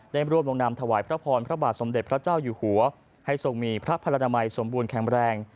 ร่วมลงนามถวายพระพรพระบาทสมเด็จพระเจ้าอยู่หัวให้ทรงมีพระพลนามัยสมบูรณแข็งแรง